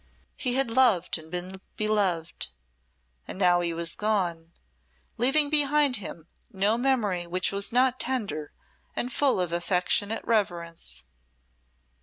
He had loved and been beloved, and now he was gone, leaving behind him no memory which was not tender and full of affectionate reverence.